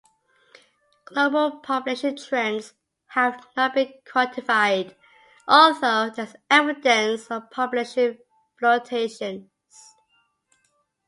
Global population trends have not been quantified, although there is evidence of population fluctuations.